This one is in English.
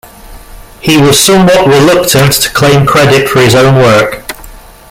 He was somewhat reluctant to claim credit for his own work.